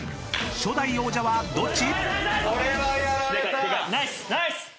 初代王者はどっち⁉］